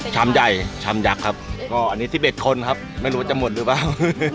ชามใหญ่ชามยักษ์ครับก็อันนี้๑๑คนครับไม่รู้ว่าจะหมดหรือเปล่า